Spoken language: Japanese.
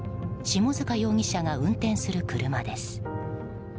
下塚容疑者が運転する車です。